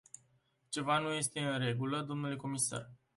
Ceva nu este în regulă, dle comisar.